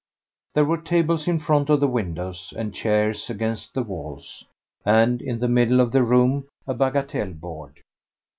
There were tables in front of the windows and chairs against the walls, and in the middle of the room a bagatelle board.